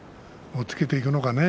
押っつけていくのかな？